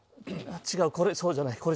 「違う、そうじゃない」。